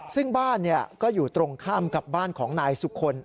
ซึ่งบ้านก็อยู่ตรงข้ามกับบ้านของนายสุคล